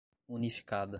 unificada